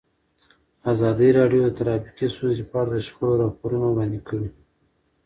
ازادي راډیو د ټرافیکي ستونزې په اړه د شخړو راپورونه وړاندې کړي.